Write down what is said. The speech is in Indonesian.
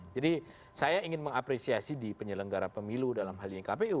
jadi saya ingin mengapresiasi di penyelenggara pemilu dalam hal ini kpu